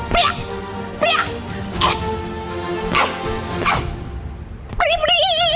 ปรี๊ะปรี๊ะปรี๊ะ